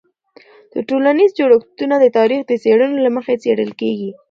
د ټولنیز جوړښتونه د تاریخ د څیړنو له مخې څیړل کېږي.